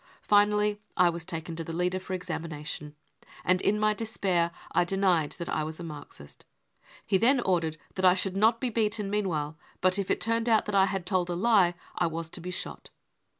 Finally I was taken to the leader for examination, and in my despair I denied that I was a Marxist. He then ordered that I should not be beaten meanwhile, but if it, turned out that I had told a lie I was to be shot.